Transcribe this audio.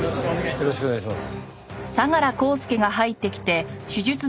よろしくお願いします。